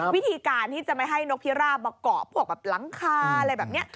วิธีการที่จะไม่ให้นกพิราบมาเกาะพวกแบบหลังคาอะไรแบบนี้